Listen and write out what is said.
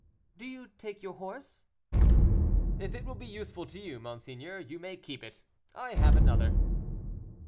"Do you take your horse?" "If it will be useful to you, monseigneur, you may keep it, I have another."